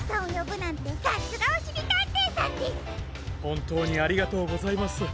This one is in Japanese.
ほんとうにありがとうございます。